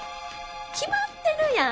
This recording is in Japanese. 決まってるやん。